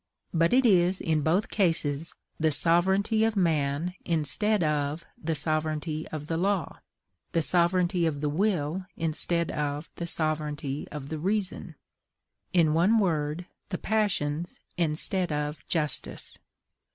But it is, in both cases, the sovereignty of man instead of the sovereignty of the law, the sovereignty of the will instead of the sovereignty of the reason; in one word, the passions instead of justice.